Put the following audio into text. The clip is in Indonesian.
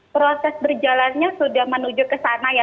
proses berjalannya sudah menuju ke sana ya